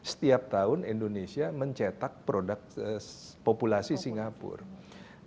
setiap tahun indonesia mencetak produk populasi singapura